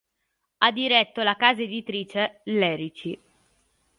Ha diretto la Casa Editrice Lerici.